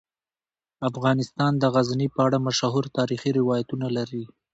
افغانستان د غزني په اړه مشهور تاریخی روایتونه لري.